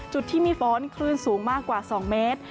จุดที่มีฝนคลื่นสูงมากกว่า๒เมตร